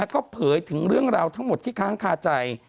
ก็เผยถึงเรื่องราวทั้งหมดที่ค้างคาใจ